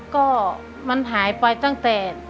ก็มันหายไปตั้งแต่